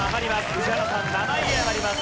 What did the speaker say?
宇治原さん７位へ上がります。